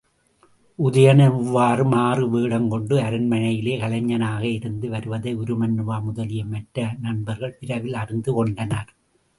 உதயணன் இவ்வாறு மாறுவேடங்கொண்டு அரண்மனையிலே கலைஞனாக இருந்து வருவதை உருமண்ணுவா முதலிய மற்ற நண்பர்கள் விரைவில் அறிந்துகொண்டனர்.